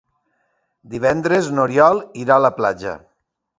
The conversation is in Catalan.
Divendres n'Oriol irà a la platja.